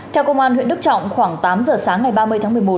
theo công an huyện đức trọng khoảng tám giờ sáng ngày ba mươi tháng một mươi một